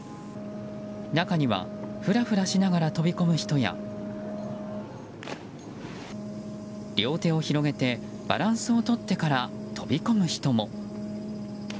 中にはふらふらしながら飛び込む人や両手を広げてバランスをとってから飛び込む人も。